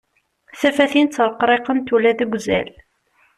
Tafatin ttreqriqent ula deg wazal.